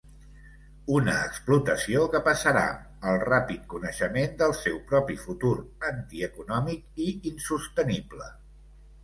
Una explotació que passarà al ràpid coneixement del seu propi futur antieconòmic i insostenible.